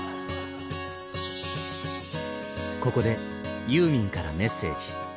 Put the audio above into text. ここでユーミンからメッセージ。